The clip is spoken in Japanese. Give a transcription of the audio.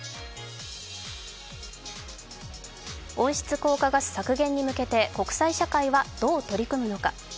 温室効果ガス削減に向けて国際社会はどう取り組むのか。